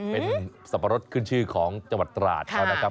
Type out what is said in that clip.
เป็นสับปะรดขึ้นชื่อของจังหวัดตราดเขานะครับ